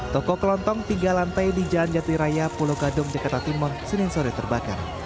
toko kelontong tinggal lantai di jalan jatiraya pulau gadung jakarta timur senin sore terbakar